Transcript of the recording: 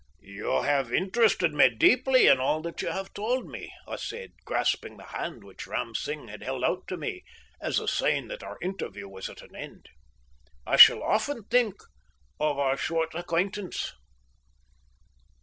"You have interested me deeply in all that you have told me," I said, grasping the hand which Ram Singh had held out to me as a sign that our interview was at an end. "I shall often think of our short acquaintance."